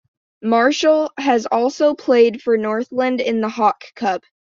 Marshall has also played for Northland in the Hawke Cup.